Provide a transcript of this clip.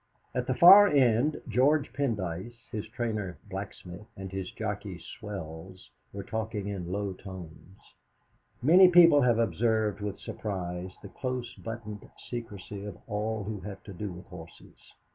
At the far end George Pendyce, his trainer Blacksmith, and his jockey Swells, were talking in low tones. Many people have observed with surprise the close buttoned secrecy of all who have to do with horses.